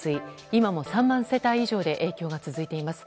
今も３万世帯以上で影響が続いています。